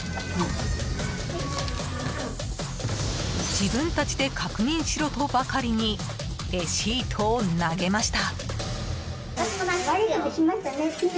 自分たちで確認しろとばかりにレシートを投げました。